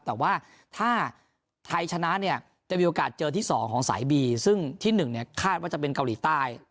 แต่ว่าถ้าไทยชนะเนี่ยจะมีโอกาสเจอที่๒ของสายบีซึ่งที่๑เนี่ยคาดว่าจะเป็นเกาหลีใต้